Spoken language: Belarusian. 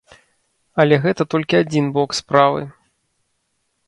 Але гэта толькі адзін бок справы.